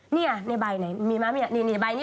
เนี่ยในใบมีมั้ยใบนี้